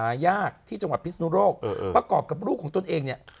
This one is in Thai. นางก็เลย